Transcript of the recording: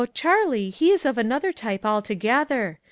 Charlie, he is of another type alto gether.